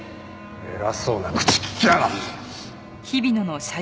偉そうな口利きやがって！